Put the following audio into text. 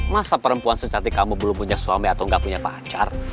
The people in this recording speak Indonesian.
masa perempuan secantik kamu belum punya suami atau gak punya pacar